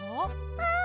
うん！